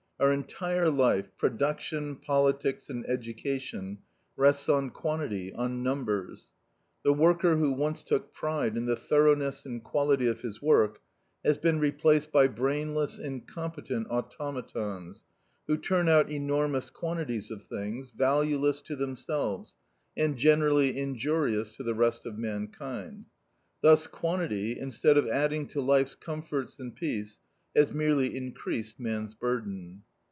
Our entire life production, politics, and education rests on quantity, on numbers. The worker who once took pride in the thoroughness and quality of his work, has been replaced by brainless, incompetent automatons, who turn out enormous quantities of things, valueless to themselves, and generally injurious to the rest of mankind. Thus quantity, instead of adding to life's comforts and peace, has merely increased man's burden.